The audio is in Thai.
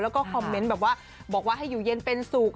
แล้วก็คอมเมนต์แบบว่าบอกว่าให้อยู่เย็นเป็นสุข